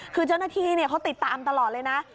คือเจ้าหน้าที่เขาติดตามตลอดเลยนะ